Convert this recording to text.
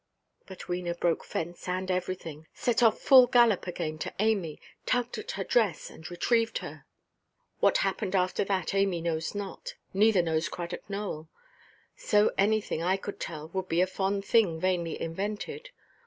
But Wena broke fence and everything, set off full gallop again to Amy, tugged at her dress, and retrieved her. What happened after that Amy knows not, neither knows Cradock Nowell. So anything I could tell would be a fond thing vainly invented.